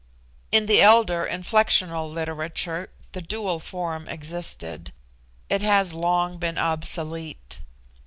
In the elder inflectional literature the dual form existed it has long been obsolete.